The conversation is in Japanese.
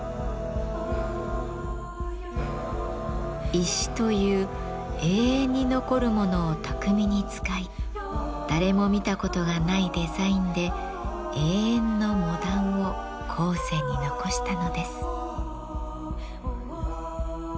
石という永遠に残るものを巧みに使い誰も見たことがないデザインで「永遠のモダン」を後世に残したのです。